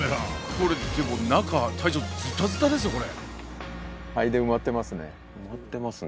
これでも中隊長ズタズタですよこれ。